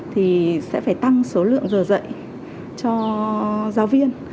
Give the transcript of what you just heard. thì sẽ phải tăng số lượng giờ dạy cho giáo viên